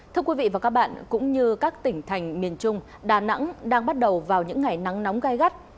thưa quý vị và các bạn cũng như các tỉnh thành miền trung đà nẵng đang bắt đầu vào những ngày nắng nóng gai gắt